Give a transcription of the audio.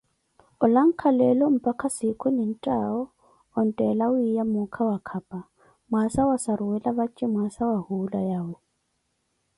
Olankha leelo mpakha siikhu ninttawo onttela wiiya muukha waKhapa, mwaasa asaruwela vace mwaasa wa hula yawe.